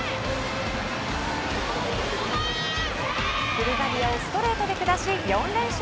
ブルガリアをストレートで下し４連勝。